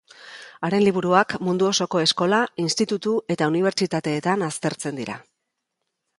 Haren liburuak mundu osoko eskola, institutu eta unibertsitateetan aztertzen dira.